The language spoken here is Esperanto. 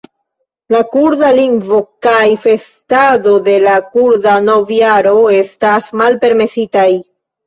La kurda lingvo kaj festado de la kurda novjaro estas malpermesitaj.